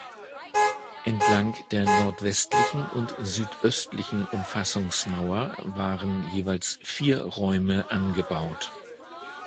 Entlang der nordwestlichen und südöstlichen Umfassungsmauer waren jeweils vier Räume angebaut.